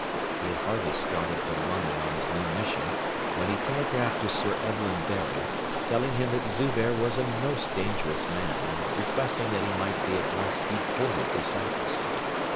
He had hardly started from London on his new mission, when he telegraphed to Sir Evelyn Baring, telling him that Zubehr was a most dangerous man and requesting that he might be at once deported to Cyprus.